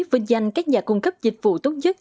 vinh danh các nhà cung cấp dịch vụ tốt nhất